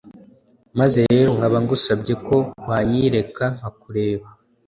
maze rero nkaba ngusabye ko wanyiyereka nkakureba